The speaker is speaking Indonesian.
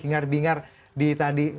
bingar bingar di tadi